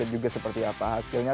dan juga seperti apa hasilnya